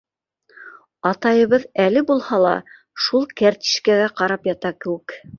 Атайыбыҙ әле булһа ла шул кәртишкәгә ҡарап ята кеүек.